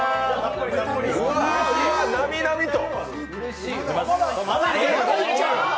うわ、なみなみと！